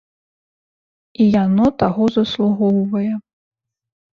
І яно таго заслугоўвае.